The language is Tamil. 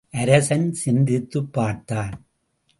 அரசன் சிந்தித்துப் பார்த்தான்.